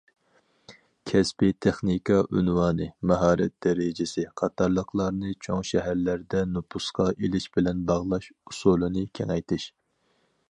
كەسپىي تېخنىكا ئۇنۋانى، ماھارەت دەرىجىسى قاتارلىقلارنى چوڭ شەھەرلەردە نوپۇسقا ئېلىش بىلەن باغلاش ئۇسۇلىنى كېڭەيتىش.